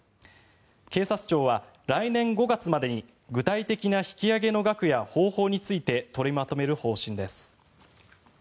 警察庁は来年５月までに具体的な引き上げの額や方法について取りまとめる方針です。